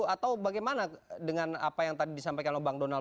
atau bagaimana dengan apa yang tadi disampaikan oleh bang donald